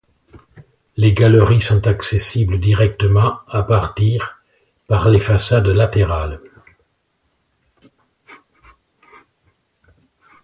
Les galeries sont accessibles directement à partir par les façades latérales.